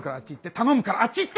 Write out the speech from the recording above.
頼むからあっち行って！